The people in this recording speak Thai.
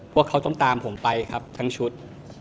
ว่าเขาต้องตามผมไปครับทั้งชุด